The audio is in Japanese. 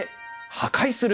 破壊する。